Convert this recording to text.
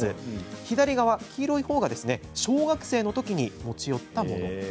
左側、黄色いほうが小学生のときに持ち寄ったもの。